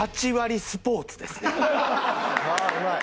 あっうまい！